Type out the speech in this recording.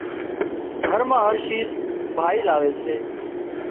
گھر مان هر شيز ڀائي لاوي سي